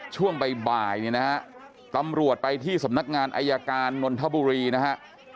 ช่วงบ่ายเนี่ยนะฮะตำรวจไปที่สำนักงานอายการนนทบุรีนะฮะ